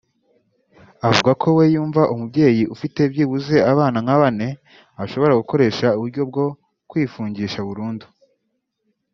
Avuga ko we yumva umubyeyi ufite byibuze abana nka bane ashobora gukoresha uburyo bwo kwifungisha burundu